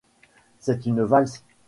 C'est une valse.